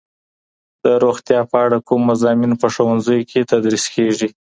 د روغتیا په اړه کوم مضامین په ښوونځیو کي تدریس کیږي؟